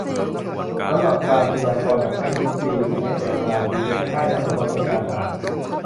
สำหรับการพยากรณ์จากไพ่ยิปซีนี้ ในแต่ละราศีจะใช้ไพ่ทั้งสำรับในการอ่าน